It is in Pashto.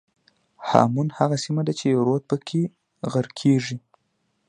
هامون هغه سیمه ده چې رود پکې غرقېږي.